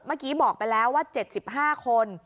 เมื่อกี้บอกไปแล้วว่า๗๕คน